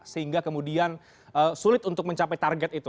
sehingga kemudian sulit untuk mencapai target itu